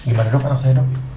gimana dokter rasainah bu